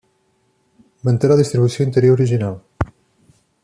Manté la distribució interior original.